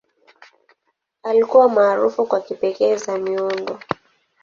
Alikuwa maarufu kwa kipekee za miundo.